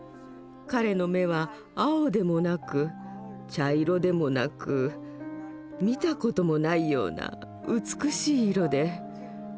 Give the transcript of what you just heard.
彼の目は青でもなく茶色でもなく見た事もないような美しい色で。